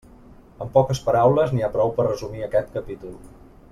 Amb poques paraules n'hi ha prou per a resumir aquest capítol.